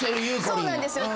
そうなんですよ。